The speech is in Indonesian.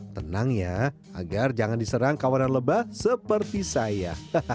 tenang ya agar jangan diserang kawanan lebah seperti saya